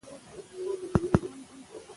پښتو ژبه په ډیجیټل نړۍ کې خپره کړئ.